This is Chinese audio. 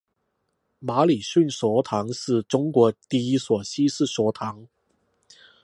马礼逊学堂是中国第一所西式学堂。